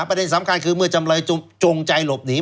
ประเด็นสำคัญคือเมื่อจำเลยจงใจหลบหนี